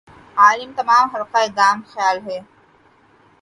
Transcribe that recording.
عالم تمام حلقہ دام خیال ھے